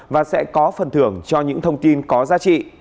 và sẽ có phần thưởng cho những thông tin có giá trị